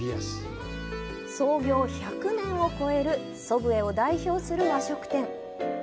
創業１００年を超える祖父江を代表する和食店。